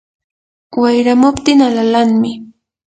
wayramuptin alalanmi.